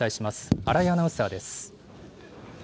新井アナウンサーです。